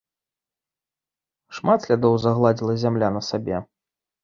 Шмат слядоў загладзіла зямля на сабе.